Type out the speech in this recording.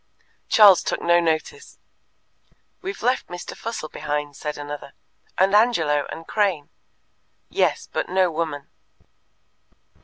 Charles took no notice. "We've left Mr. Fussell behind," said another; "and Angelo, and Crane." "Yes, but no woman."